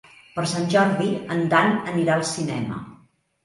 Per Sant Jordi en Dan anirà al cinema.